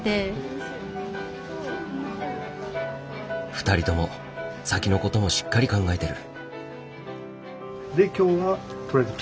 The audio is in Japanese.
２人とも先のこともしっかり考えてる。